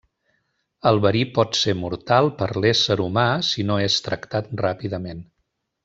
El verí pot ser mortal per a l'ésser humà si no és tractat ràpidament.